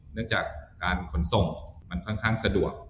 เนื่องจากการขนส่งมันค่อนข้างสะดวก